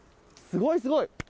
すごい、すごい！